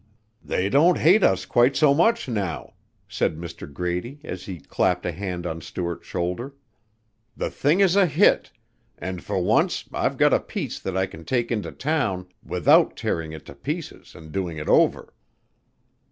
"They don't hate us quite so much now," said Mr. Grady as he clapped a hand on Stuart's shoulder. "The thing is a hit and for once I've got a piece that I can take into town without tearing it to pieces and doing it over."